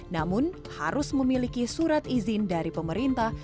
namun harus memiliki surat izin dari pemerintah